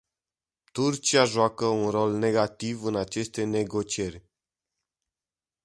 Turcia joacă un rol negativ în aceste negocieri.